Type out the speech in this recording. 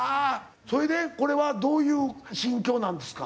それでこれはどういう心境なんですか？